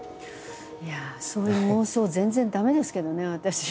いやあそういう妄想全然駄目ですけどね私。